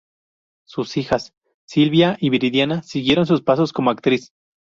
Sus hijas Sylvia y Viridiana siguieron sus pasos como actriz.